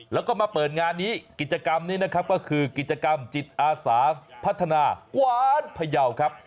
แล้วก็มาเปิดงานนี้กิจกรรมนี้นะครับก็คือกิจกรรมจิตอาสาพัฒนากวานพยาวครับ